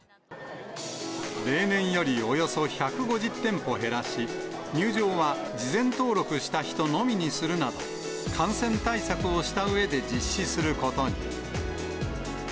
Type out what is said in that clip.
例年よりおよそ１５０店舗減らし、入場は事前登録した人のみにするなど、感染対策をしたうえで実施することに。